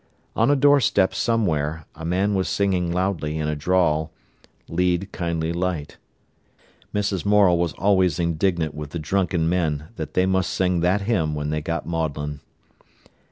On a doorstep somewhere a man was singing loudly, in a drawl: "Lead, kindly Light." Mrs. Morel was always indignant with the drunken men that they must sing that hymn when they got maudlin.